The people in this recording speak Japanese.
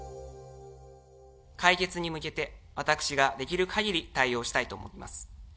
解決に向けて、私ができる限り対応したいと思います。